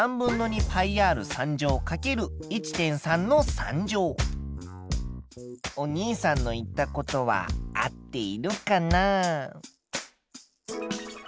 つまりお兄さんの言ったことは合っているかな？